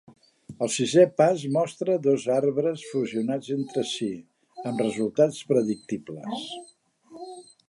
El sisè pas mostra dos arbres fusionats entre si, amb resultats predictibles.